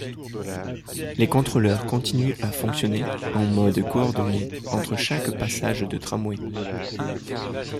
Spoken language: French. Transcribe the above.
Les contrôleurs continuent à fonctionner en mode coordonné entre chaque passage de tramway.